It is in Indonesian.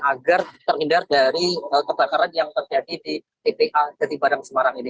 agar terhindar dari kebakaran yang terjadi di tpa jatibadang semarang ini